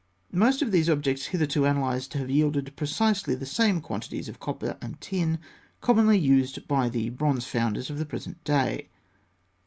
Most of the objects hitherto analysed have yielded precisely the same quantities of copper and tin commonly used by the bronze founders of the present day.